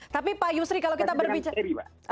tapi pak yusri kalau kita berbicara